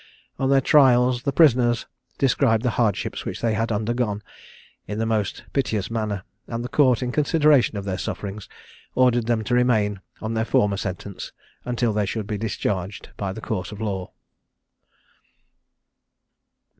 On their trials the prisoners described the hardships which they had undergone in the most piteous manner; and the Court, in consideration of their sufferings, ordered them to remain on their former sentence, until they should be discharged by the course of law.